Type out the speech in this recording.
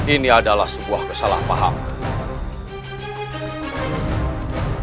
ini adalah sebuah kesalahpahaman